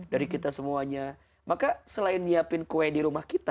dari kita semuanya maka selain nyiapin kue di rumah kita